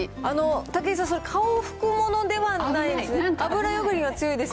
武井さん、それ、顔拭くものではないです。